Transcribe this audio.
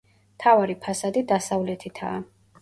მთავარი ფასადი დასავლეთითაა.